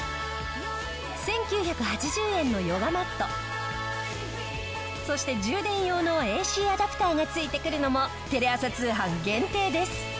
１９８０円のヨガマットそして充電用のＡＣアダプターが付いてくるのもテレ朝通販限定です。